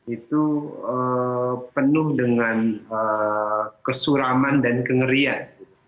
itu penuh dengan kesuraman dan kengerian